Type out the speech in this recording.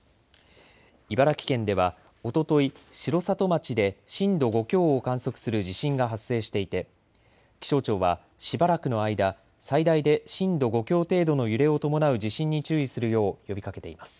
茨城県ではおととい、城里町で震度５強を観測する地震が発生していて気象庁はしばらくの間、最大で震度５強程度の揺れを伴う地震に注意するよう呼びかけています。